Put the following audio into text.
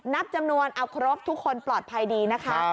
นับจำนวนเอาครบทุกคนปลอดภัยดีนะคะ